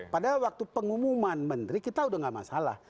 padahal waktu pengumuman menteri kita sudah tidak masalah